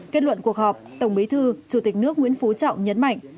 kết luận cuộc họp tổng bí thư chủ tịch nước nguyễn phú trọng nhấn mạnh